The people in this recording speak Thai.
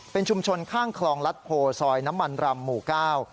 เป็นชุมชนข้างคลองลัดโพซอยน้ำมันรำหมู่เก้า